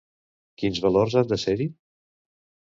Quins valors han de ser-hi?